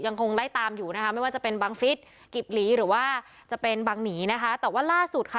คงไล่ตามอยู่นะคะไม่ว่าจะเป็นบังฟิศกิบหลีหรือว่าจะเป็นบังหนีนะคะแต่ว่าล่าสุดค่ะ